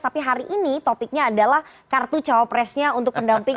tapi hari ini topiknya adalah kartu cawapresnya untuk pendamping